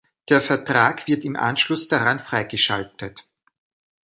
Der Vertrag wird im Anschluss daran freigeschaltet.